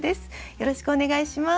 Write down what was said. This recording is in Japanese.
よろしくお願いします。